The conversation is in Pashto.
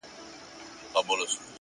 ذهن د تمرکز له لارې قوي کېږي!.